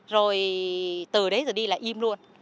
rồi từ đấy rồi đi là im luôn